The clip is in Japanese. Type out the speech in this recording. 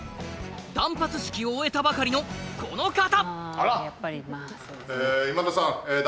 断髪式を終えたばかりのこの方。